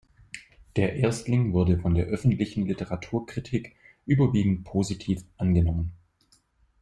Der Erstling wurde von der öffentlichen Literaturkritik überwiegend positiv angenommen.